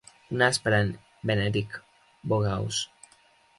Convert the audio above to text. Un as per en Benedict Bogeaus.